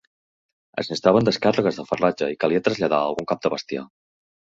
Es necessitaven descàrregues de farratge i calia traslladar algun cap de bestiar.